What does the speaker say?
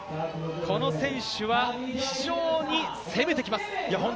この選手は非常に攻めてきます。